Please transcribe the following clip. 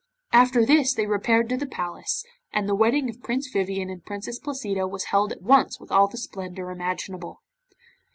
After this they repaired to the Palace, and the wedding of Prince Vivien and Princess Placida was held at once with all the splendour imaginable.